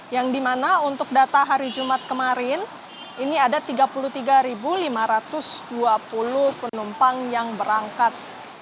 yang dimana untuk data hari jumat kemarin ini ada tiga puluh tiga lima ratus dua puluh penumpang yang berangkat